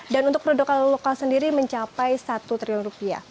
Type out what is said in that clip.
dan untuk produk lokal sendiri mencapai satu triliun rupiah